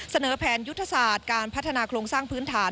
เสนอแผนยุทธศาสตร์การพัฒนาโครงสร้างพื้นฐาน